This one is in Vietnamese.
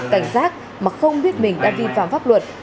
cảnh giác mà không biết mình đã vi phạm pháp luật